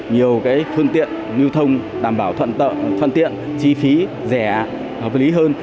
nhiều phương tiện lưu thông đảm bảo thuận tiện chi phí rẻ hợp lý hơn